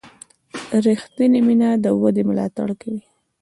ریښتینې مینه د ودې ملاتړ کوي.